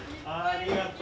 ありがとう！